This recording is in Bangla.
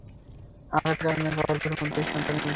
আঘাতের কারণে গর্ভের মধ্যেই সন্তানের মৃত্যু হয়।